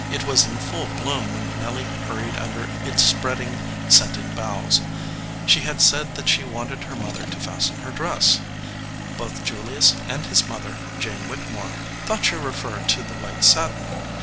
It was in full bloom when Nelly hurried under its spreading scented boughs. She had said that she wanted her mother to fasten her dressA Both Julius and his mother, Jane Whittemore, thought she referred to the white satin.